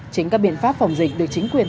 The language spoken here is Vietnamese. chính các biện pháp phòng dịch được chính quyền